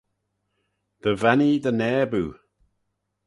Dy vannee dty naboo.